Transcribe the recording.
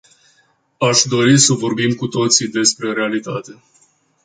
Aș dori să vorbim cu toții despre realitate.